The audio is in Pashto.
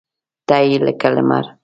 تۀ لکه لمر !